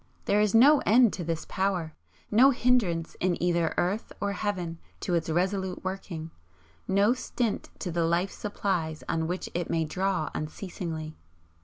There is no end to this power, no hindrance in either earth or heaven to its resolute working no stint to the life supplies on which it may draw unceasingly.